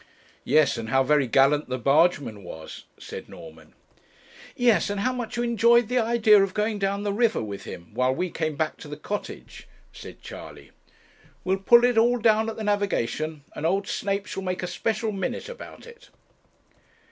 'Yes, and how very gallant the bargeman was,' said Norman. 'Yes, and how much you enjoyed the idea of going down the river with him, while, we came back to the Cottage,' said Charley. 'We'll put it all down at the Navigation, and old Snape shall make a special minute about it.'